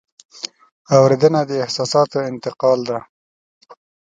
اورېدنه د احساساتو انتقال ده.